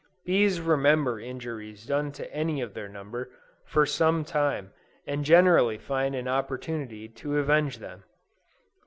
Bees remember injuries done to any of their number, for some time, and generally find an opportunity to avenge them.